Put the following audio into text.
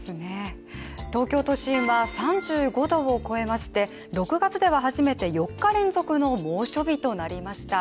東京都心は３５度を超えまして、６月では初めて４日連続の猛暑日となりました。